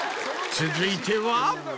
続いては。